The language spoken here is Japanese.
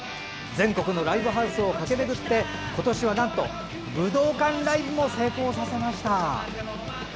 全国のライブハウスを駆け巡って今年はなんと、武道館ライブも成功させました。